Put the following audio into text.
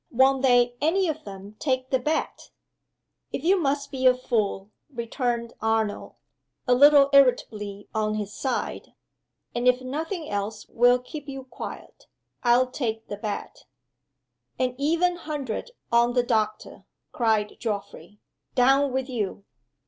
"won't they any of them take the bet?" "If you must be a fool," returned Arnold, a little irritably on his side, "and if nothing else will keep you quiet, I'll take the bet." "An even hundred on the doctor!" cried Geoffrey. "Done with you!"